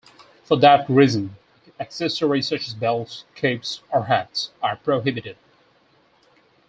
For that reason, accessories such as belts, capes or hats are prohibited.